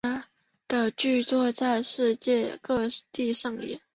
他的剧作在世界各地上演。